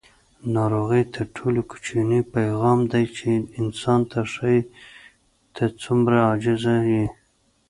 ناروغي تر ټولو کوچنی پیغام دی چې انسان ته ښایي: ته څومره عاجزه یې.